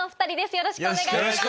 よろしくお願いします。